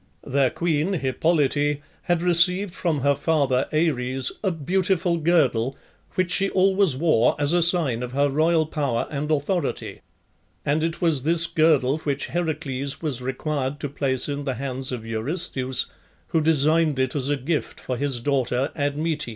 Their queen, Hippolyte, had received from her father, Ares, a beautiful girdle, which she always wore as a sign of her royal power and authority, and it was this girdle which Heracles was required to place in the hands of Eurystheus, who designed it as a gift for his daughter Admete.